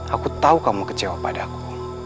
aku tahu kamu kecewa padaku